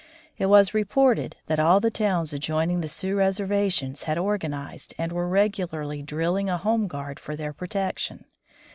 It was reported that all the towns adjoining the Sioux reservations had organized and were regularly drilling a home guard for their protection.